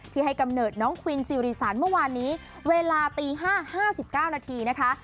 ให้กำเนิดน้องควินซิริสารเมื่อวานนี้เวลาตี๕๕๙นาทีนะคะ